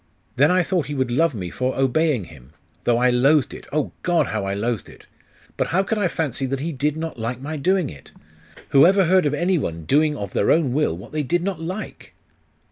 'Then I thought he would love me for obeying him, though I loathed it! Oh, God, how I loathed it!.... But how could I fancy that he did not like my doing it? Who ever heard of any one doing of their own will what they did not like?